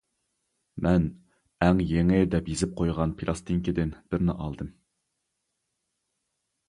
مەن «. ‹ئەڭ يېڭى› .» دەپ يېزىپ قويغان پىلاستىنكىدىن بىرنى ئالدىم.